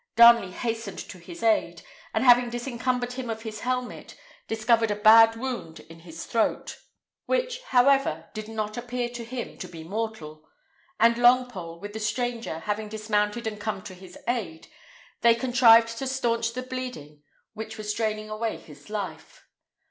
Darnley hastened to his aid; and having disencumbered him of his helmet, discovered a bad wound in his throat, which, however, did not appear to him to be mortal; and Longpole, with the stranger, having dismounted and come to his aid, they contrived to stanch the bleeding, which was draining away his life.